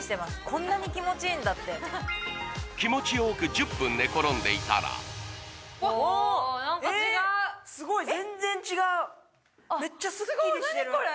こんなに気持ちいいんだって気持ちよく１０分寝転んでいたらおお何か違うすごい全然違うすごい何これ？